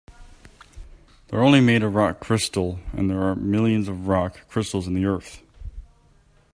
They're only made of rock crystal, and there are millions of rock crystals in the earth.